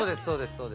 そうです